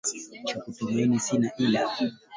Cha kutumaini sina ila